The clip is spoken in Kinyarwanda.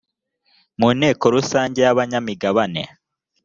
mu nteko rusange y abanyamigabane